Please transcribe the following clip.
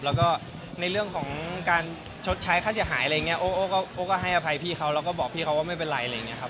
แล้วก็ในเรื่องของการชดใช้ค่าเสียหายอะไรอย่างนี้โอ้ก็ให้อภัยพี่เขาแล้วก็บอกพี่เขาว่าไม่เป็นไรอะไรอย่างนี้ครับ